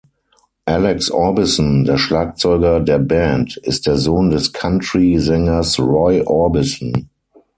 Alex Orbison, der Schlagzeuger der Band, ist der Sohn des Country-Sängers Roy Orbison.